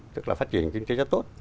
tức là phát triển kinh tế rất tốt